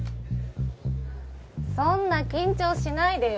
そんな緊張しないでよ